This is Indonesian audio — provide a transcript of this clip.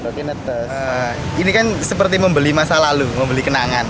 game ini seperti membeli masa lalu membeli kenangan